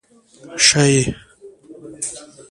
شې.